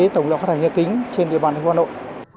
tổng lượng khói bụi gây kính trên địa bàn thành phố hà nội